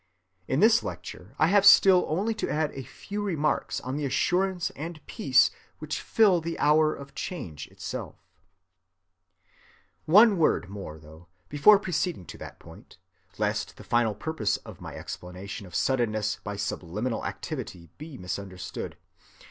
In this lecture I have still only to add a few remarks on the assurance and peace which fill the hour of change itself. ‐‐‐‐‐‐‐‐‐‐‐‐‐‐‐‐‐‐‐‐‐‐‐‐‐‐‐‐‐‐‐‐‐‐‐‐‐ One word more, though, before proceeding to that point, lest the final purpose of my explanation of suddenness by subliminal activity be misunderstood.